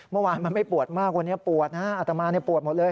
เมื่อวานมันไม่ปวดมากวันนี้ปวดนะอัตมาปวดหมดเลย